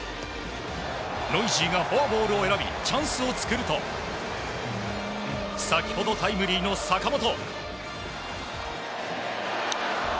ノイジーがフォアボールを選びチャンスを作ると先ほどタイムリーの坂本。